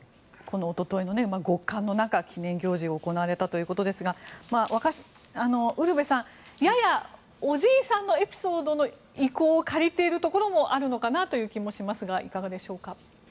おととい、極寒の中記念行事が行われたということですがウルヴェさん、ややおじいさんのエピソードの威光を借りているところもあるのかなという気もしますがいかがでしょうか。